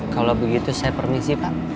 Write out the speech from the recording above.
kalau begitu saya permisi pak